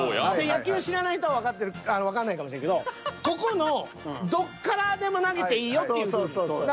野球知らない人はわかんないかもしれんけどここのどっからでも投げていいよっていうルール。